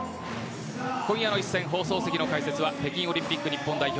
今夜の放送席の解説は北京オリンピック日本代表